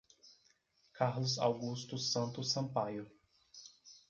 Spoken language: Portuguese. Carlos Augusto Santos Sampaio